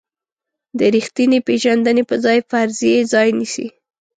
د ریښتینې پېژندنې په ځای فرضیې ځای نیسي.